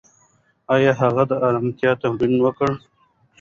ایا هغه د ارامتیا تمرین وکړ؟